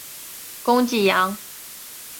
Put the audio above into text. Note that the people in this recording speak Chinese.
攻济阳。